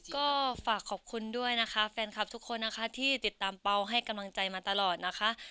ก็ฝากขอบคุณด้วยนะคะแฟนคลับทุกคนนะคะที่ติดตามเปล่าให้กำลังใจมาตลอดนะคะ